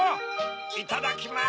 いただきます！